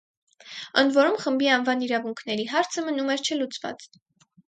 Ընդ որում խմբի անվան իրավունքների հարցը մնում էր չլուծված։